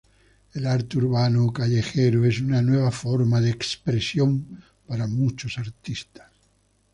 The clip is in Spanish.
El arte urbano o callejero es una nueva forma de expresión para muchos artistas.